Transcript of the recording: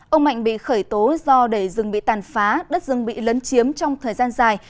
ông mạnh bị khởi tố do đầy rừng bị tàn phá đất rừng bị lấn chiếm trong thời gian dài